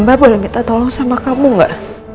mbak boleh minta tolong sama kamu gak